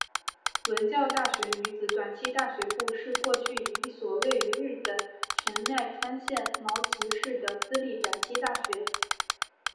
文教大学女子短期大学部是过去一所位于日本神奈川县茅崎市的私立短期大学。